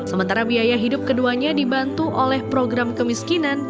sementara biaya hidup keduanya dibantu oleh program kemiskinan